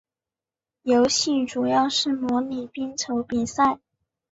游戏主要是模拟冰球比赛。